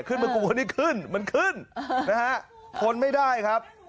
ขึ้นมึงกูคราวนี้ขึ้นมันขึ้นนะฮะพ้นไม่ได้ครับ